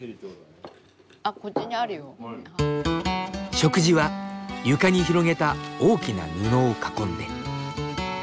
食事は床に広げた大きな布を囲んで。